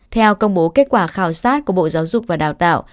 theo công bố kết quả khảo sát của bộ giáo dục và đào tạo